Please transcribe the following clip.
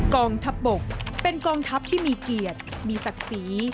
กองทัพบกเป็นกองทัพที่มีเกียรติมีศักดิ์ศรี